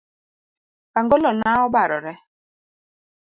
Angolo na obarore